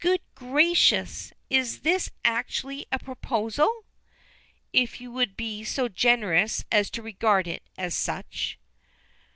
"Good gracious, is this actually a proposal?" "If you will be so generous as to regard it as such."